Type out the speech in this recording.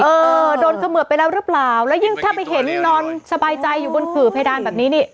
เออโดนเขมือบไปแล้วหรือเปล่าแล้วยิ่งถ้าไปเห็นนอนสบายใจอยู่บนขื่อเพดานแบบนี้นี่